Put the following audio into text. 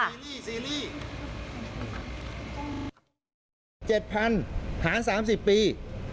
๗๐๐๐หาร๓๐ปี